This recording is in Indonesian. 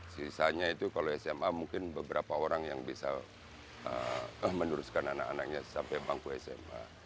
sisanya itu kalau sma mungkin beberapa orang yang bisa meneruskan anak anaknya sampai bangku sma